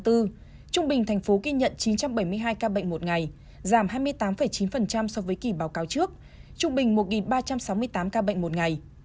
trung bình thành phố ghi nhận chín trăm bảy mươi hai ca bệnh một ngày giảm hai mươi tám chín so với kỳ báo cáo trước trung bình một ba trăm sáu mươi tám ca bệnh một ngày